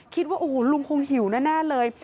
คิดว่าโอ้โหลุงคงหิวแน่เลย